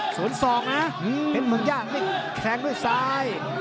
ส่วนสองนะเห็นเหมือนย่างแข็งด้วยซ้าย